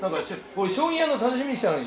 俺将棋やるの楽しみに来たのに。